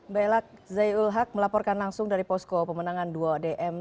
mbak elak zaiul haq melaporkan langsung dari posko pemenangan dua dm